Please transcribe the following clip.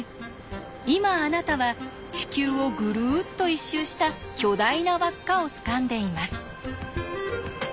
今あなたは地球をぐるっと一周した巨大な輪っかをつかんでいます。